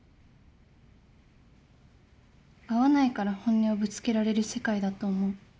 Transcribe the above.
会わないから本音をぶつけられる世界だと思う。